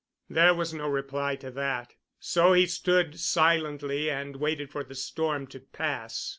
There was no reply to that, so he stood silently and waited for the storm to pass.